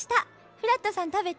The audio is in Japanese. フラットさん食べて。